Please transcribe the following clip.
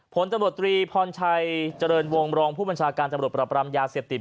ผลตำรวจตรีพรชัยเจริญวงรองผู้บัญชาการตำรวจปรับปรามยาเสพติด